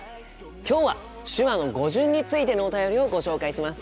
今日は手話の語順についてのお便りをご紹介します。